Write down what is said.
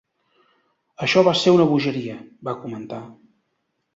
"Això va ser una bogeria", va comentar.